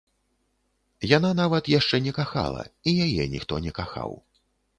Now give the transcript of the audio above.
Яна нават яшчэ не кахала, і яе ніхто не кахаў.